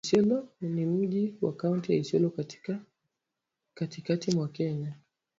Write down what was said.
Isiolo ni mji wa kaunti ya Isiolo katikati mwa Kenya